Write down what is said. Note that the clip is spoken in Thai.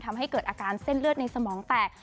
ทำให้เกิดอาการเส้นเลือดในสมองแตก